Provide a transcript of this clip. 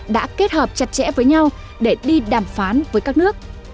đã kết hợp chặt chẽ với nhau để đi đàm phán với các nước